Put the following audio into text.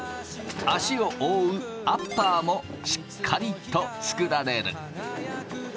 足を覆うアッパーもしっかりと作られる。